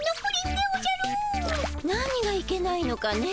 何がいけないのかね。